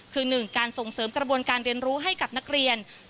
คือ๑การส่งเสริมกระบวนการเรียนรู้ให้กับนักเรียน